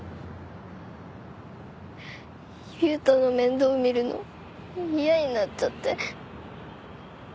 悠太の面倒見るの嫌になっちゃって。